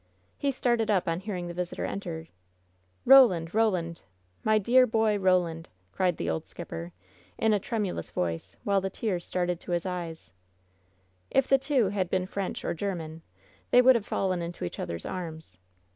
He started up on hearing the visitor enter. "Roland ! Roland ! My dear boy, Roland I" cried the old skipper, in a tremulous voice, while the tears started to his eyes. 94 WHEN SHADOWS DIE If the two had been French or German, they would have fallen into each other's arms.